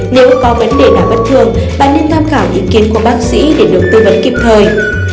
nếu có vấn đề nào bất thường bà nên tham khảo ý kiến của bác sĩ để được tư vấn kịp thời